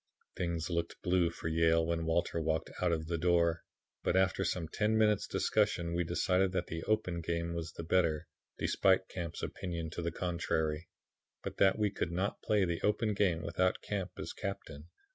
Things looked blue for Yale when Walter walked out of the door, but after some ten minutes' discussion we decided that the open game was the better, despite Camp's opinion to the contrary, but that we could not play the open game without Camp as captain.